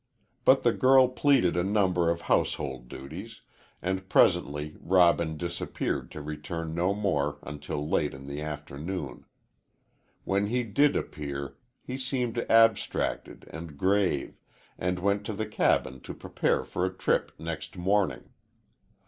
But the girl pleaded a number of household duties, and presently Robin disappeared to return no more until late in the afternoon. When he did appear he seemed abstracted and grave, and went to the cabin to prepare for a trip next morning.